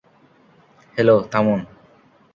Hello, থামুন।